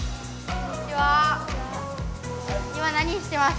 こんにちは。